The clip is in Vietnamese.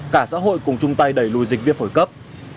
cả xã hội cùng chung tay đẩy lùi dịch viêm phổi cấp